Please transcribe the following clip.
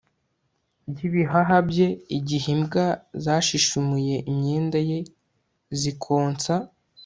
y'ibihaha bye igihe imbwa zashishimuye imyenda ye zikonsa